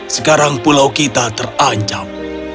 sekarang pulau kita terancam